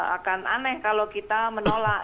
akan aneh kalau kita menolak